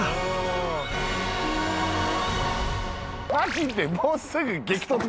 マジでもうすぐ激突ね。